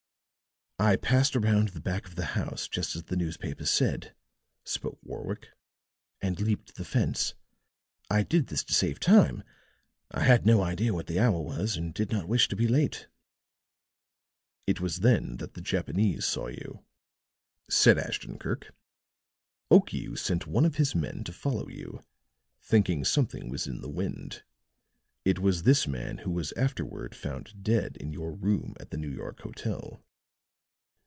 "I passed around the back of the house, just as the newspapers said," spoke Warwick, "and leaped the fence. I did this to save time. I had no idea what the hour was, and did not wish to be late." "It was then that the Japanese saw you," said Ashton Kirk. "Okiu sent one of his men to follow you, thinking something was in the wind. It was this man who was afterward found dead in your room at the New York hotel."